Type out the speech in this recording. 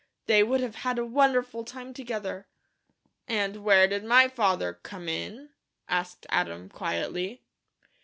They would have had a wonderful time together." "And where did my father come in?" asked Adam, quietly.